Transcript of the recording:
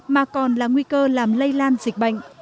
mà còn là nguy cơ làm lây lan dịch bệnh